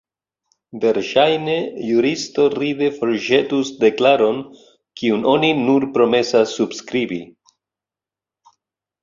Verŝajne juristo ride forĵetus deklaron, kiun oni nur promesas subskribi.